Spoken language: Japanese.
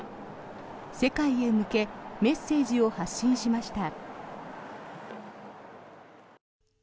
世界へ向けメッセージを発信しました。